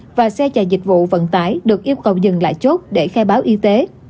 các xe khách biển số tp hcm và xe chạy dịch vụ vận tải được yêu cầu dừng lại chốt để khai báo y tế